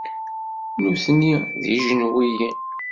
Nutni, d ijenwiyen.